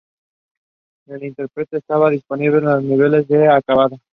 El Intrepid estaba disponible en dos niveles de acabado:.